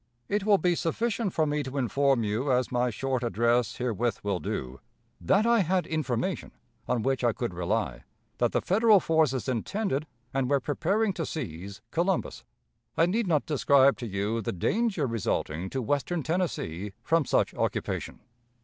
It will be sufficient for me to inform you (as my short address herewith will do) that I had information, on which I could rely, that the Federal forces intended, and were preparing to seize Columbus. I need not describe to you the danger resulting to western Tennessee from such occupation.